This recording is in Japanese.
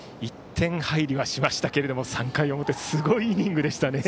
１点入りはしましたけど３回表すごいイニングでしたね。